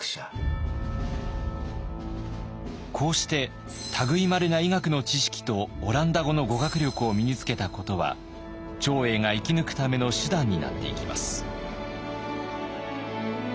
こうして類いまれな医学の知識とオランダ語の語学力を身につけたことは長英が生き抜くための手段になっていきます。